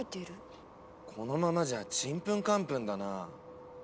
このままじゃちんぷんかんぷんだな。